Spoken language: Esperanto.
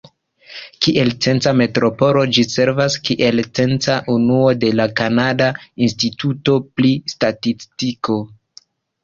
Kiel censa metropolo, ĝi servas kiel censa unuo de la Kanada Instituto pri Statistiko.